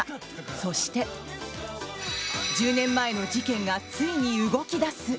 そして、１０年前の事件がついに動き出す。